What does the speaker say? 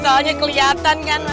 soalnya keliatan kan